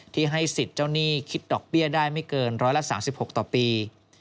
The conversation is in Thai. ที่ให้สิทธิ์เจ้าหนี้คิดดอกเบี้ยได้ไม่เกิน๑๓๖ต่อปี